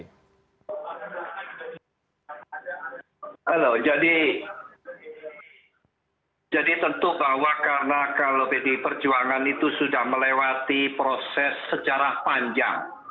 halo jadi tentu bahwa karena kalau pdi perjuangan itu sudah melewati proses sejarah panjang